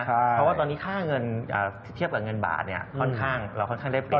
เพราะว่าตอนนี้ค่าเงินเทียบกับเงินบาทเราค่อนข้างเรียบร้อย